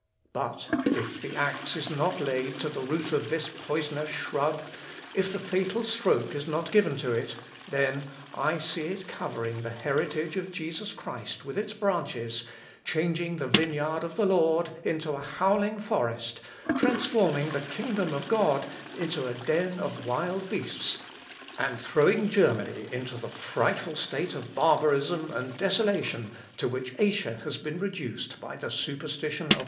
But if the axe is not laid to the root of this poisonous shrub, if the fatal stroke is not given to it, then.... I see it covering the heritage of Jesus Christ with its branches, changing the vineyard of the Lord into a howling forest, transforming the kingdom of God into a den of wild beasts, and throwing Germany into the frightful state of barbarism and desolation to which Asia has been reduced by the superstition of Mahomet."